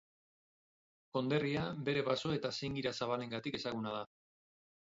Konderria bere baso eta zingira zabalengatik ezaguna da.